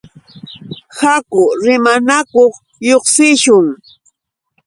Haku rimanakuq lluqsishun.